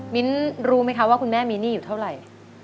รู้ไหมคะว่าคุณแม่มีหนี้อยู่เท่าไหร่